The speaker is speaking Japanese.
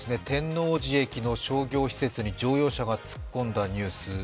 天王寺駅の商業施設に乗用車が突っ込んだニュース。